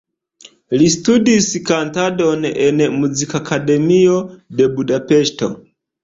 Li studis kantadon en Muzikakademio de Budapeŝto.